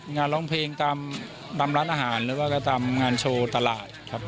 งานร้องเพลงตามนำร้านอาหารหรือว่าก็ตามงานโชว์ตลาดครับ